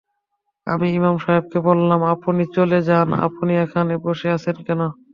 আমি ইমাম সাহেবকে বললাম, আপনি চলে যান, আপনি এখানে বসে আছেন কেন?